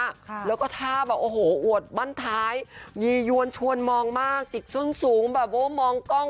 ค่ะแล้วก็ท่าแบบโอ้โหอวดบ้านท้ายยียวนชวนมองมากจิตส้นสูงแบบว่ามองกล้อง